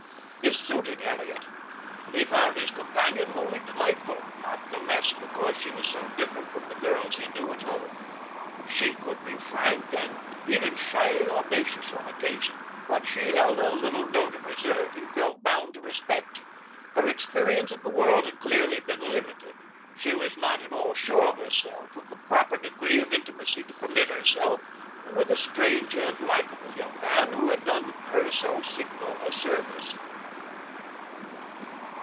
This suited Elliot. He found his companion wholly delightful, not the less because she was so different from the girls he knew at home. She could be frank, and even shyly audacious on occasion, but she held a little note of reserve he felt bound to respect. Her experience of the world had clearly been limited. She was not at all sure of herself, of the proper degree of intimacy to permit herself with a strange and likable young man who had done her so signal a service.